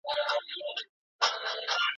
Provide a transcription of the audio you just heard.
مثبت تشویق زده کوونکي خوشحاله ساتي.